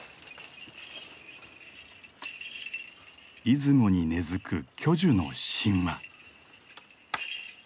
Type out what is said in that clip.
出雲に根づく巨樹の神話。